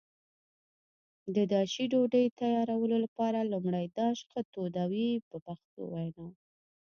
د داشي ډوډۍ تیارولو لپاره لومړی داش ښه تودوي په پښتو وینا.